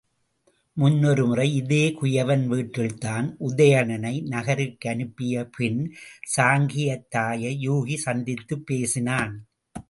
முன்னொரு முறை இதே குயவன் வீட்டில்தான் உதயணனை நகருக்கனுப்பியபின் சாங்கியத்தாயை யூகி சந்தித்துப் பேசினான்.